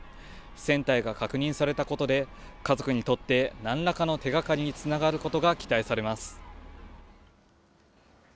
船体が確認されたことで、家族にとってなんらかの手がかりにつながることが期待されます。